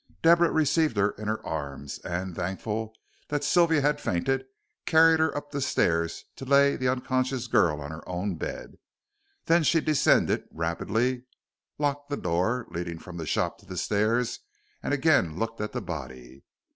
Deborah received her in her arms, and, thankful that Sylvia had fainted, carried her up the stairs to lay the unconscious girl on her own bed. Then she descended rapidly, locked the door leading from the shop to the stairs, and again looked at the body.